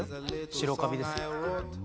白カビです